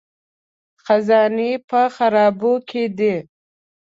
خزانې په خرابو کې دي